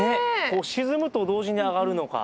沈むと同時に上がるのか。